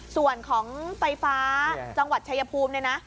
ส่วนของไฟฟ้าจังหวัดชายภูมิ